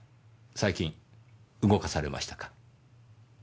最近動かされましたか？